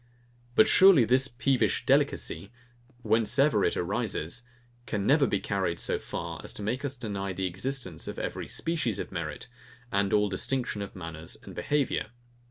But surely this peevish delicacy, whence ever it arises can never be carried so far as to make us deny the existence of every species of merit, and all distinction of manners and behaviour.